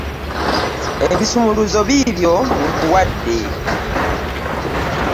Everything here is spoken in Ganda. Ebisumuluzo bibyo nkuwadde.